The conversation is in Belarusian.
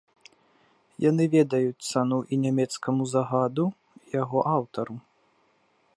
Яны ведаюць цану і нямецкаму загаду, і яго аўтару.